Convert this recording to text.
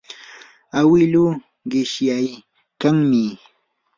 awiluu qishyaykanmi.